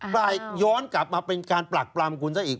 ปลายย้อนกลับมาเป็นการปรักปรำคุณซะอีก